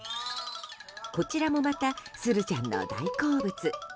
こちらもまたすずちゃんの大好物。